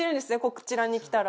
こちらに来たら。